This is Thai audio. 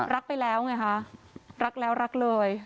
รักไปแล้วไงคะรักแล้วรักเลย